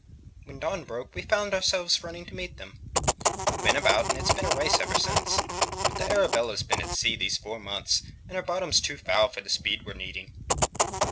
"When dawn broke we found ourselves running to meet them. We went about, and it's been a race ever since. But the Arabella 's been at sea these four months, and her bottom's too foul for the speed we're needing."